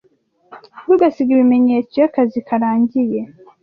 Ntugasige ibimenyetso iyo akazi karangiye--